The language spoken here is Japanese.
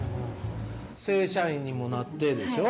正社員にもなってでしょ？